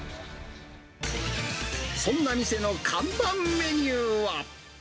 そんな店の看板メニューは。